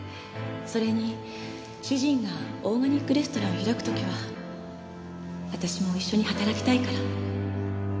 それに主人がオーガニックレストランを開く時は私も一緒に働きたいから。